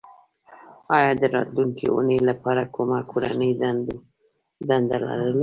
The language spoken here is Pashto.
ایا د راتلونکې اونۍ لپاره کومه کورنۍ دنده لرو